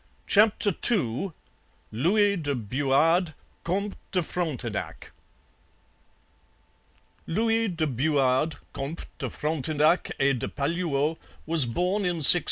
CHAPTER II LOUIS DE BUADE, COMTE DE FRONTENAC Louis de Buade, Comte de Frontenac et de Palluau, was born in 1620.